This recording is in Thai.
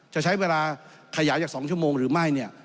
จะใช้เวลาขยายจาก๒ชั่วโมงหรือไม่เนี่ย